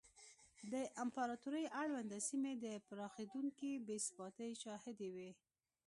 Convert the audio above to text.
د امپراتورۍ اړونده سیمې د پراخېدونکې بې ثباتۍ شاهدې وې.